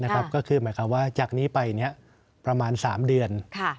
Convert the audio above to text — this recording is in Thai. ก็คือหมายความว่าจากนี้ไปประมาณ๓เดือน